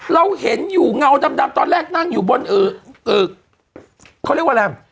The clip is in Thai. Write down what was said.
เราเห็นอยู่เงาดำตอนแรกนั่งอยู่บนเขาเรียกว่าอะไร